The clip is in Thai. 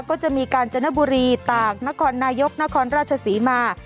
ก็จะมีการจนบุรีตากนครนายกนครราชศรีมา